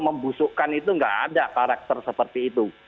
membusukkan itu nggak ada karakter seperti itu